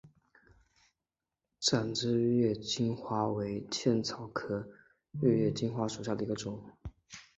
展枝玉叶金花为茜草科玉叶金花属下的一个种。